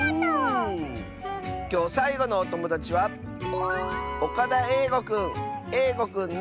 きょうさいごのおともだちはえいごくんの。